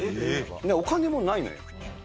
お金もないのよ。